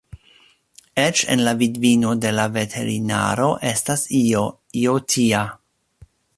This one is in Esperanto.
Eĉ en la vidvino de la veterinaro estas io, io tia.